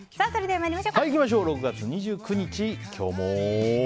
６月２９日、今日も。